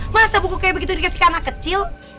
masa buku kayak begitu dikasih ke anak kecil